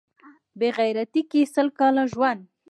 په بې غیرتۍ کې سل کاله ژوند